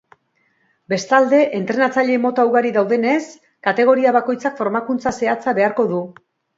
Bestalde, entrenatzaile mota ugari daudenez, kategoria bakoitzak formakuntza zehatza beharko du.